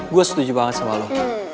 gue setuju banget sama loki